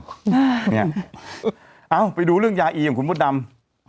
เอ้าเนี่ยเอ้าไปดูเรื่องยาอีของคุณมดดำ